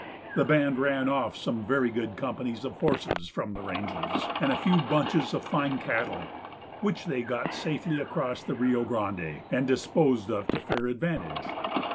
The band ran off some very good companies of horses from the ranges, and a few bunches of fine cattle which they got safely across the Rio Grande and disposed of to fair advantage.